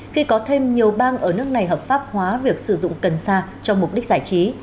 khi có thêm nhiều bang ở nước này hợp pháp hóa việc sử dụng cần sa cho mục đích giải trí